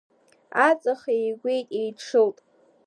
Аҵх еигәеит, еидшылт.